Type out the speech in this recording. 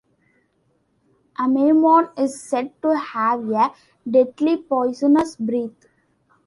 Amaymon is said to have a deadly poisonous breath.